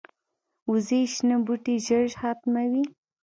وزې شنه بوټي ژر ختموي